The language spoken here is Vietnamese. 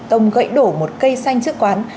tông gậy đổ một cây xanh trước quán